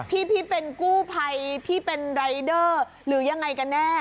พี่เป็นกู้ภัยพี่เป็นรายเดอร์หรือยังไงกันแน่